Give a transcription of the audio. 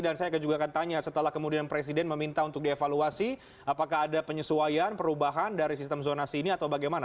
dan saya juga akan tanya setelah kemudian presiden meminta untuk dievaluasi apakah ada penyesuaian perubahan dari sistem zonasi ini atau bagaimana